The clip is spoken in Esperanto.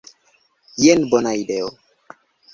Jen bona ideo.